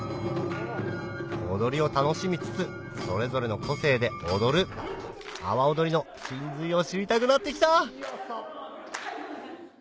踊りを楽しみつつそれぞれの個性で踊る阿波おどりの神髄を知りたくなってきた！